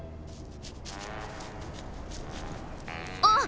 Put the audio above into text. あっ！